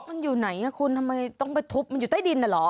มันอยู่ไหนคุณทำไมต้องไปทุบมันอยู่ใต้ดินน่ะเหรอ